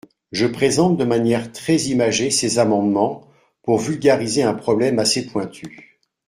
Je présente de manière très imagée ces amendements pour vulgariser un problème assez pointu.